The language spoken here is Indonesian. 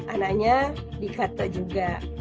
anaknya dikata juga